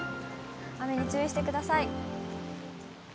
雨に注意してください。